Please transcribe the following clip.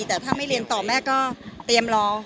แต่ถ้าไม่เรียนต่อแม่ก็เตรียมรอ